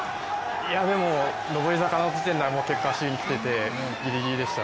でも、上り坂の時点では結構足にきてて、ギリギリでした。